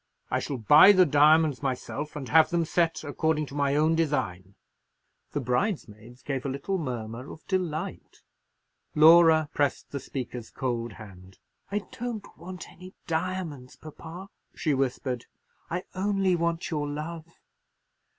I shall buy the diamonds myself, and have them set according to my own design." The bridesmaids gave a little murmur of delight. Laura pressed the speaker's cold hand. "I don't want any diamonds, papa," she whispered; "I only want your love."